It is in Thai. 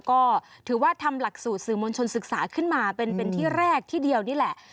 ก็ถือว่าทำหลักสูตรสื่อมวลชนศึกษาขึ้นมาเป็นที่แรกที่เดียวนี่แหละ